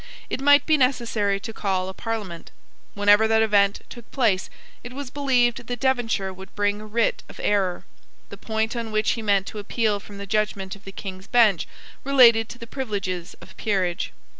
It might be necessary to call a Parliament. Whenever that event took place it was believed that Devonshire would bring a writ of error. The point on which he meant to appeal from the judgment of the King's Bench related to the privileges of peerage.